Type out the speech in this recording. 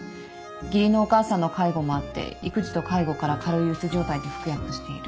義理のお母さんの介護もあって育児と介護から軽い鬱状態で服薬している。